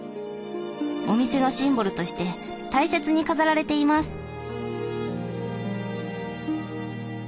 お店のシンボルとして大切に飾られています。